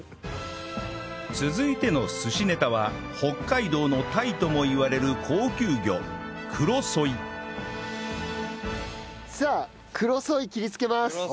続いての寿司ネタは北海道のタイともいわれる高級魚クロソイさあクロソイ切りつけます。